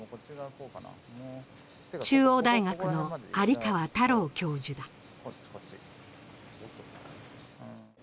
中央大学の有川太郎教授だ。